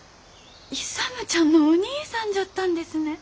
勇ちゃんのお兄さんじゃったんですね。